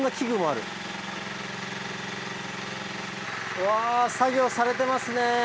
うわぁ作業されてますね。